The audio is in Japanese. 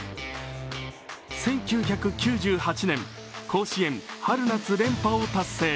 １９９８年、甲子園春夏連覇を達成